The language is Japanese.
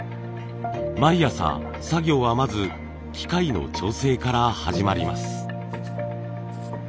毎朝作業はまず機械の調整から始まります。